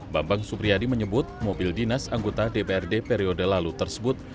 bambang supriyadi menyebut mobil dinas anggota dprd periode lalu tersebut